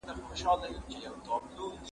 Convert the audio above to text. زه پرون زدکړه وکړه!!